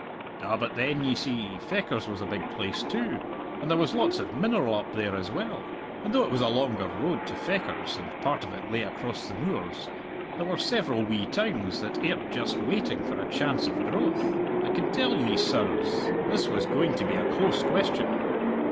"Ah, but then, ye see, Fechars was a big place too, and there was lots of mineral up there as well! And though it was a longer road to Fechars and part of it lay across the moors, there were several wee towns that airt just waiting for a chance of growth! I can tell ye, sirs, this was going to be a close question!"